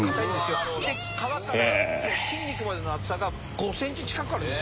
皮から筋肉までの厚さが５センチ近くあるんですよ。